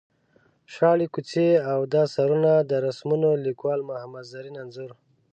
شاړې کوڅې او دا سرونه دا رسمونه ـ لیکوال محمد زرین انځور.